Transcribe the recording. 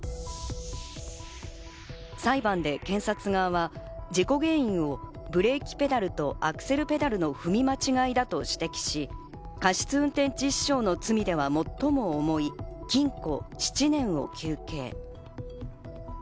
裁判で検察側は、事故原因をブレーキペダルとアクセルペダルの踏み間違いだと指摘し、過失運転致死傷の罪では最も重い、禁錮７年を求刑。